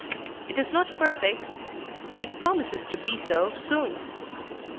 It is not perfect, but it promises to be so soon.